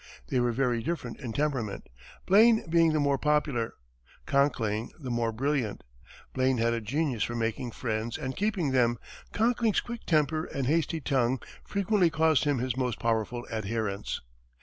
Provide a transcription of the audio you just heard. They were very different in temperament, Blaine being the more popular, Conkling the more brilliant. Blaine had a genius for making friends and keeping them; Conkling's quick temper and hasty tongue frequently cost him his most powerful adherents.